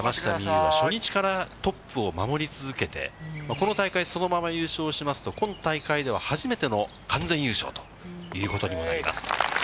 有は、初日からトップを守り続けて、この大会そのまま優勝しますと、今大会では初めての完全優勝ということにもなります。